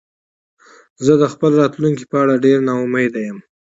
زه د خپل راتلونکې په اړه ډېره نا امیده یم